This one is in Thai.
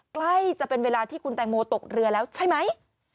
ใกล้จะเป็นเวลาที่คุณแตงโมตกเรือแล้วใช่ไหม